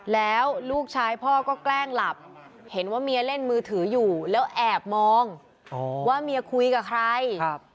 แล้วลูกชายพ่อก็แกล้งหลับเห็นว่าเมียเล่นมือถืออยู่แล้วแอบมองว่าเมียคุยกับใคร